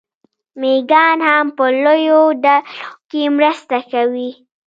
مېږیان هم په لویو ډلو کې مرسته کوي.